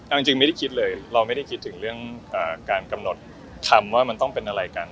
เอาจริงไม่ได้คิดเลยเราไม่ได้คิดถึงเรื่องการกำหนดคำว่ามันต้องเป็นอะไรกัน